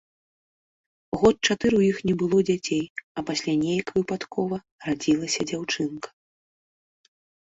Год чатыры ў іх не было дзяцей, а пасля нейк выпадкова радзілася дзяўчынка.